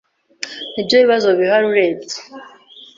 Ni ibyo bibazo bihari urebye